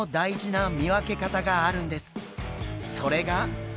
それが。